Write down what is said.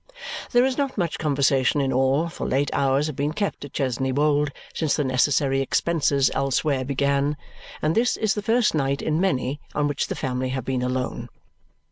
There is not much conversation in all, for late hours have been kept at Chesney Wold since the necessary expenses elsewhere began, and this is the first night in many on which the family have been alone.